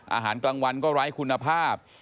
อาหารกลางวันก็ไร้คุณภาพ